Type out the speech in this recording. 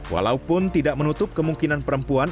walaupun tidak menutup kemungkinan perempuan